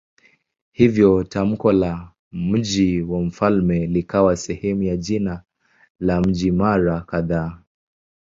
Hivyo tamko la "mji wa mfalme" likawa sehemu ya jina la mji mara kadhaa.